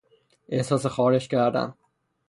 احساس خارش کردن